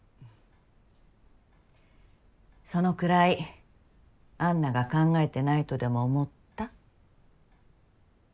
そのくらい安奈が考えてないとでも思った？